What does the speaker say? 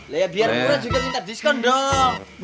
ya biar murah juga minta diskon dong